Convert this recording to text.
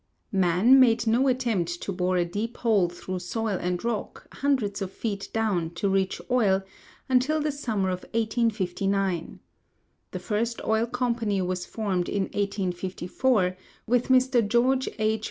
Man made no attempt to bore a deep hole through soil and rock, hundreds of feet down, to reach oil, until the summer of 1859. The first oil company was formed in 1854, with Mr. George H.